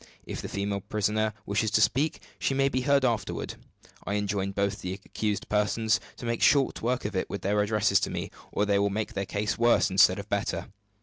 If the female prisoner wishes to speak, she may be heard afterward. I enjoin both the accused persons to make short work of it with their addresses to me, or they will make their case worse instead of better.